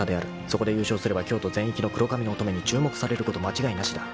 ［そこで優勝すれば京都全域の黒髪の乙女に注目されること間違いなしだ］